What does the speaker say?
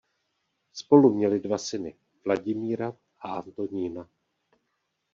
Spolu měli dva syny Vladimíra a Antonína.